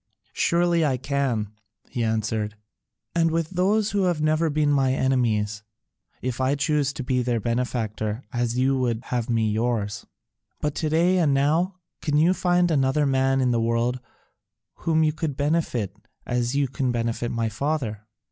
"Surely I can," he answered, "and with those who have never been my enemies, if I choose to be their benefactor as you would have me yours." "But to day, and now, can you find another man in the world whom you could benefit as you can benefit my father?